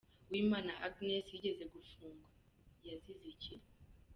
Uwimana Agnes yigeze gufunwa, yazize iki ?